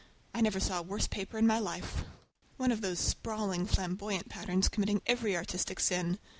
I never saw a worse paper in my life. One of those sprawling flamboyant patterns committing every artistic sin.